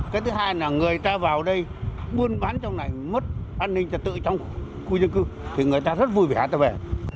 cái thứ hai là người ta vào đây buôn bán trong này mất an ninh trật tự trong khu dân cư thì người ta rất vui vẻ ta về